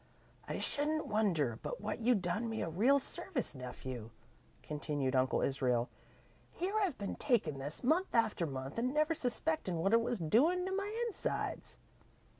"I shouldn't wonder but what you'd done me a real service, nephew," continued Uncle Israel. "Here I've been takin' this, month after month, an' never suspectin' what it was doin' in my insides.